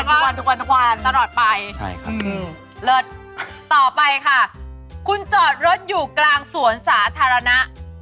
ผมกำลังคิดอยู่ว่าผมทำไมเธอไปจอดรถกลางสวนสาธารณะ